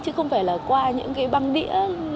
chứ không phải là qua những cái băng đĩa